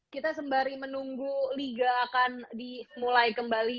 kita sembari menunggu liga akan dimulai kembali